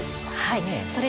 はい。